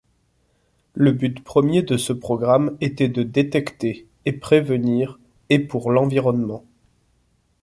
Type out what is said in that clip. Le but premier de ce programme était de détecter et prévenir et pour l'environnement.